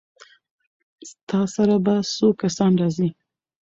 ستا سره به څو کسان راځي؟